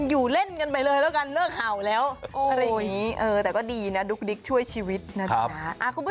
อยู่เล่นกันไปเลยแล้วกันเลิกเห่าแล้วอะไรอย่างนี้แต่ก็ดีนะดุ๊กดิ๊กช่วยชีวิตนะจ๊ะ